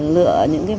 lựa những món thịt